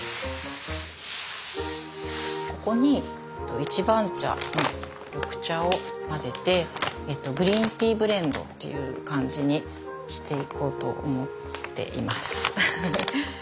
ここに一番茶の緑茶を混ぜてグリーンティーブレンドっていう感じにしていこうと思っています。